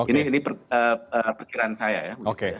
ini perkiraan saya ya